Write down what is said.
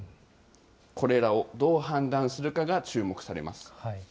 これらをどう判断するかが注目されます。